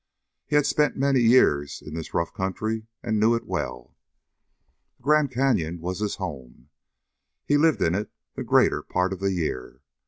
He had spent many years in this rough country and knew it well. The Grand Canyon was his home. He lived in it the greater part of the year.